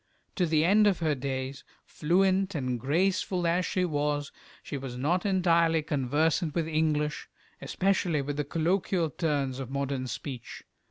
To the end of her days, fluent and graceful as she was, she was not entirely conversant with English, especially with the colloquial turns of modern speech.